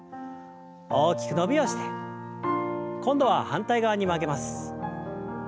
大きく伸びをして今度は反対側に曲げます。